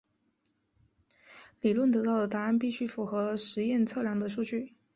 理论得到的答案必须符合实验测量的数据。